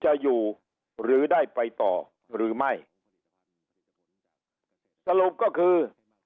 จะอยู่หรือได้ไปต่อหรือไม่สรุปก็คือ